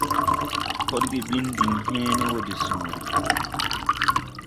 Podge bin din hęęne wɔɔ de sõõre.